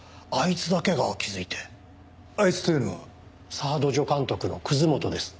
サード助監督の本です。